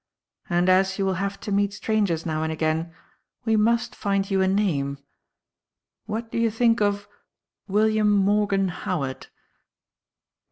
And, as you will have to meet strangers now and again, we must find you a name. What do you think of 'William Morgan Howard'?"